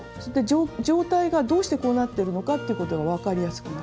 状態がどうしてこうなってるのかっていうことが分かりやすくなる。